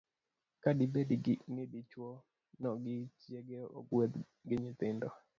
Ka dibedi ni dichwo no gi chiege ogwedh gi nyithindo,